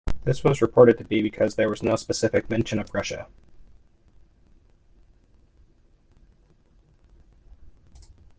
This was reported to be because there was no specific mention of Russia.